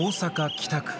北区